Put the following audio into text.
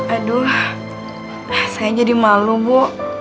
aduh saya jadi malu bu